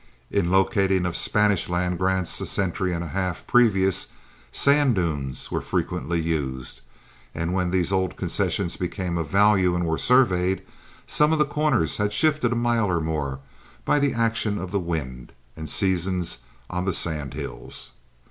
In the locating of Spanish land grants a century and a half previous, sand dunes were frequently used, and when these old concessions became of value and were surveyed, some of the corners had shifted a mile or more by the action of the wind and seasons on the sand hills.